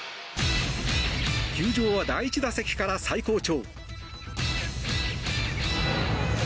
球場は第１打席から最高潮。